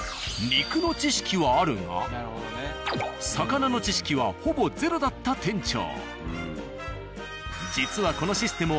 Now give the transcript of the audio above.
肉の知識はあるが魚の知識はほぼゼロだった店長。